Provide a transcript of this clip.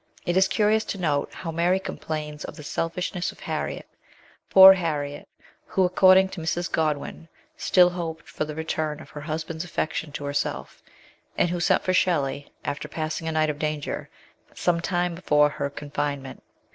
It is curious to note how Mary complains of the selfishness of Harriet ; poor Harriet who, according to Mrs. Godwin, still hoped for the return of her husband's affection to herself, and who sent for Shelley, after passing a night of danger, some time before her confinement.